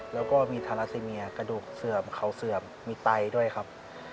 แล้วก็มีทาราซิเมียกระดูกเสื่อมเขาเสื่อมมีไตด้วยครับ